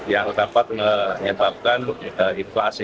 yang dapat menyebabkan inflasi